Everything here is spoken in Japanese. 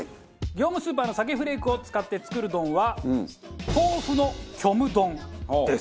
業務スーパーの鮭フレークを使って作る丼は豆腐の虚無丼です。